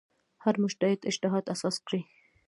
هر مجتهد اجتهاد اساس کړی.